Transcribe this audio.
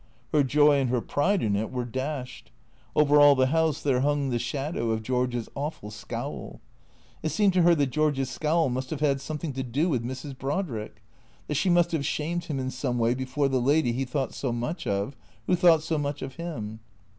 Her joy and her pride in it were dashed. Over all the house there hung the shadow of George's awful scowl. It seemed to her that George's scowl must have had something to do with Mrs. Brodrick ; that she must have shamed him in some way be fore the lady he thought so much of, who thought so much of him.